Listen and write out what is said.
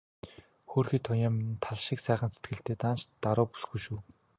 Хөөрхий Туяа минь тал шиг сайхан сэтгэлтэй, даанч даруу бүсгүй шүү.